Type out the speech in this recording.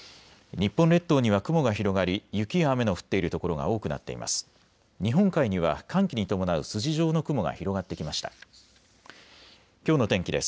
日本列島には雲が広がり雪や雨の降っている所が多くなっています。